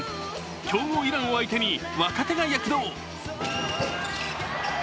強豪・イランを相手に若手が躍動。